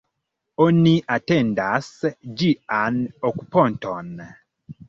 Oni atendas ĝian okuponton.